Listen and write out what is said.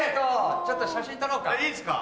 ちょっと写真撮ろうか。